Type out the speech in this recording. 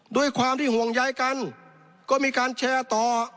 ด้วยความที่ห่วงใยกันก็มีการแชร์ต่อ